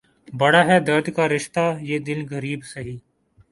بڑا ہے درد کا رشتہ یہ دل غریب سہی